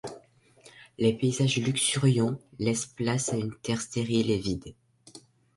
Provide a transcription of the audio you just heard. Les paysages luxuriants laissent place à une terre stérile et vide.